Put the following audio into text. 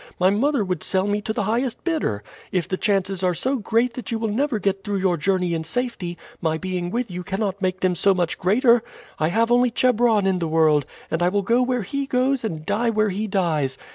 My mother would sell me to the highest bidder. If the chances are so great that you will never get through your journey in safety, my being with you cannot make them so much greater. I have only Chebron in the world, and I will go where he goes and die where he dies.